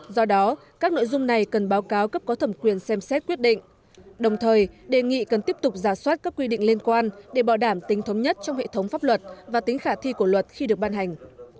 do đó các nội dung này cần báo cáo cấp có thẩm quyền xem xét quyết định đồng thời đề nghị cần tiếp tục giả soát các quy định liên quan để bảo đảm tính thống nhất trong hệ thống pháp luật và tính khả thi của luật khi được ban hành